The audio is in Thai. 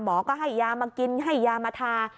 หมอก็ให้ยามากินให้ยามาทา